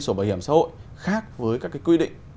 sổ bảo hiểm xã hội khác với các cái quy định